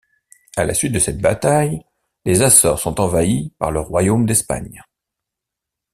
À la suite de cette bataille, les Açores sont envahies par le Royaume d'Espagne.